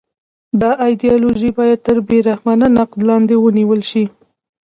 دا ایدیالوژي باید تر بې رحمانه نقد لاندې ونیول شي